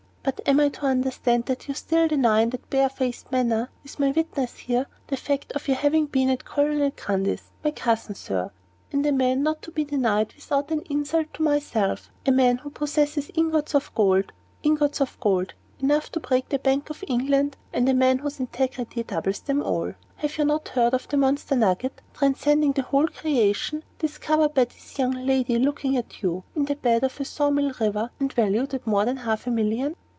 But am I to understand that you still deny in that barefaced manner, with my witness here, the fact of your having been at Colonel Gundry's my cousin, Sir, and a man not to be denied, without an insult to myself a man who possesses ingots of gold, ingots of gold, enough to break the Bank of England, and a man whose integrity doubles them all. Have you not heard of the monster nugget, transcending the whole of creation, discovered by this young lady looking at you, in the bed of the saw mill river, and valued at more than half a million?"